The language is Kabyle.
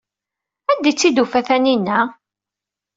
Anda ay tt-id-tufa Taninna?